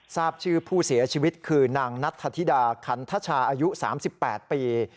ทราบชื่อผู้เสียชีวิตคือนางนัทธิดาคันทชาอายุ๓๘ปี